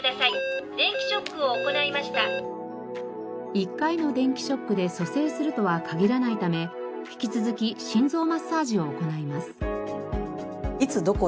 １回の電気ショックで蘇生するとは限らないため引き続き心臓マッサージを行います。